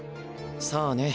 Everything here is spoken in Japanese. さあね